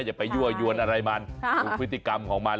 อย่าไปยั่วยวนอะไรมันดูพฤติกรรมของมัน